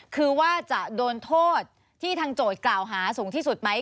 คือว่าจะโดนโทษที่ทางโจทย์กล่าวหาสูงที่สุดไหม